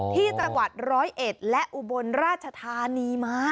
ที่จังหวัดร้อยเอ็ดและอุบลราชธานีมา